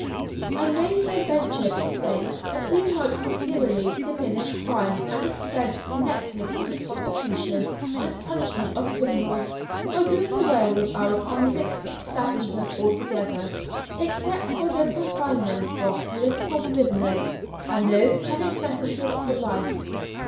I may here venture to say that we might materially diminish crime and expense connected with the prosecution and punishment of criminals by doing away with our convict establishments altogether, except for the confinement of political prisoners, and those having sentences for life.